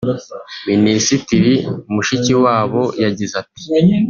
Minisitiri Mushikiwabo yagize ati